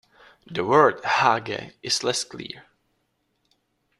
The word Hage is less clear.